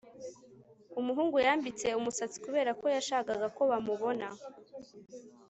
umuhungu yambitse umusatsi kubera ko yashakaga ko bamubona